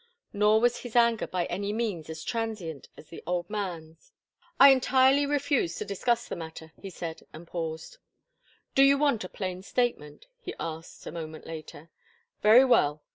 Nor was his anger by any means as transient as the old man's. "I entirely refuse to discuss the matter," he said, and paused. "Do you want a plain statement?" he asked, a moment later. "Very well.